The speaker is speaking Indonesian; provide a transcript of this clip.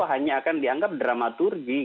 hanya akan dianggap dramaturgi